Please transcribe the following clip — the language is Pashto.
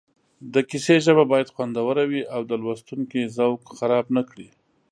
د کیسې ژبه باید خوندوره وي او د لوستونکي ذوق خراب نه کړي